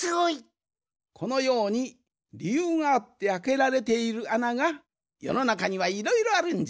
このようにりゆうがあってあけられているあながよのなかにはいろいろあるんじゃ。